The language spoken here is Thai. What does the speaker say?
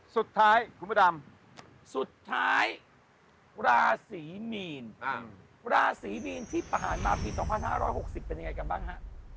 สุดท้ายคุณพระดำสุดท้ายราศีมีนราศีมีนที่ผ่านมาปี๒๕๖๐เป็นยังไงกันบ้างฮะ